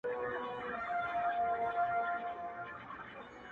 • خامخا به یې یو شی وو ځغلولی -